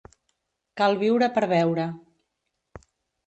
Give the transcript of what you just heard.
Cal viure per veure.